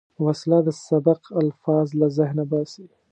وسله د سبق الفاظ له ذهنه باسي